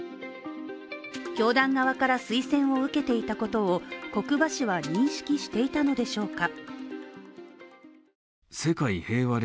教団側から推薦を受けていたことを國場氏は認識していたのでしょうか。